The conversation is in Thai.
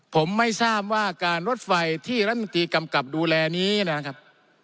ผมไม่ทราบว่าการรถไฟที่รัฐมนตรีกำกับดูแลนี้นะครับ